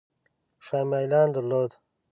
شاه میلان درلود.